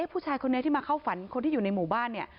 ผู้ชายคนนี้ที่มาเข้าฝันคนที่อยู่ในหมู่บ้านเนี่ย